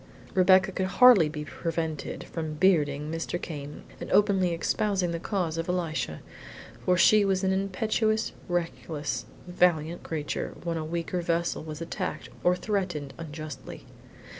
Rebecca could hardly be prevented from bearding Mr. Came and openly espousing the cause of Elisha, for she was an impetuous, reckless, valiant creature when a weaker vessel was attacked or threatened unjustly.